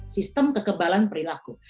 sistem kekebalan perilaku